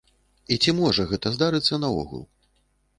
І ці можа гэта здарыцца наогул?